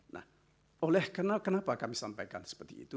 nah kenapa kami sampaikan seperti itu